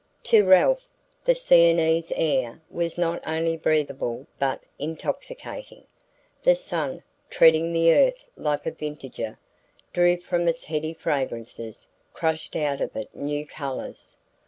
To Ralph the Sienese air was not only breathable but intoxicating. The sun, treading the earth like a vintager, drew from it heady fragrances, crushed out of it new colours.